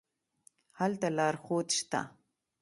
هلته لارښود شته.